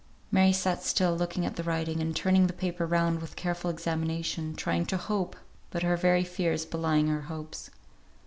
Mary sat still, looking at the writing, and turning the paper round with careful examination, trying to hope, but her very fears belying her hopes.